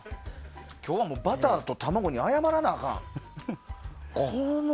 今日はバターと卵に謝らなあかん。